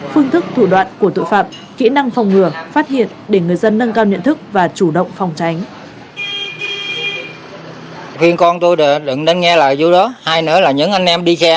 phương thức thủ đoạn của tội phạm kỹ năng phòng ngừa phát hiện để người dân nâng cao nhận thức và chủ động phòng tránh